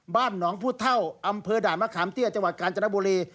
บ้านหนองผู้เท่าอำเภอด่านมะขามเตี้ยจังหวัดกาญจนบุรี